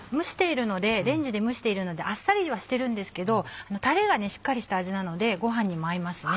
レンジで蒸しているのであっさりはしてるんですけどタレがしっかりした味なのでご飯にも合いますね。